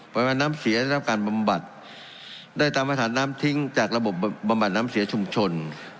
ประมาณน้ำเสียได้รับการบำบัดได้ตามมาฐานน้ำทิ้งจากระบบบำบัดน้ำเสียชุมชน